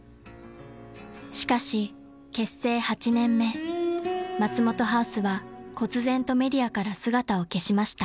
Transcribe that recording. ［しかし結成８年目松本ハウスはこつぜんとメディアから姿を消しました］